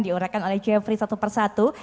diurahkan oleh jeffrey satu persatu